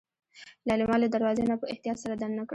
ليلما له دروازې نه په احتياط سر دننه کړ.